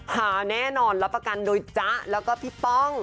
หาแน่นอนรับประกันโดยจ๊ะแล้วก็พี่ป้อง